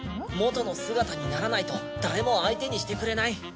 元の姿にならないと誰も相手にしてくれない。